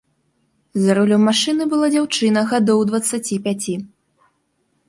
За рулём машыны была дзяўчына гадоў дваццаці пяці.